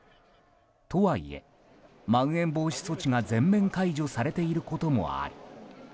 とはいえ、まん延防止措置が全面解除されていることもあり。